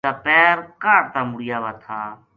کا پیر کاہڈ تا مڑیا وا تھا